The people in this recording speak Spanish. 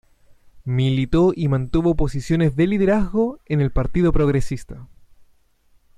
Militó y mantuvo posiciones de liderazgo en el Partido Progresista.